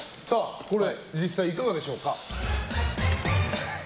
これ、実際にいかがでしょうか。